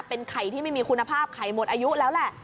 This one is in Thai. เป็นไข่ที่ไม่มีคุณภาพไข่หมดอายุแล้วแหละ